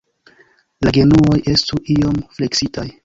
La genuoj estu iom fleksitaj.